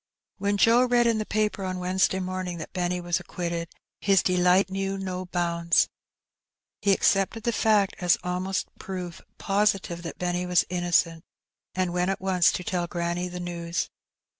When Joe read in the paper on Wednesday morning The Border Land. 213 that Benny was acquitted^ his delight knew no bounds. He accepted the fact as almost proof positive that Benny was innocent^ and went at once to tell granny the news.